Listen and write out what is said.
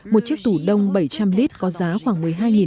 một chiếc tủ đông bảy trăm linh lít có giá khoảng một mươi hai